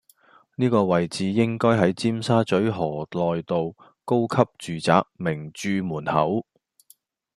呢個位置應該係尖沙咀河內道￼高級住宅名鑄門口